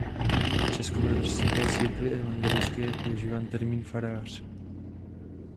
V Českobratrské církvi evangelické je používán termín farář.